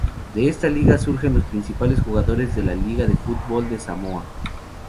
De esta liga surgen los principales jugadores de la selección de fútbol de Samoa.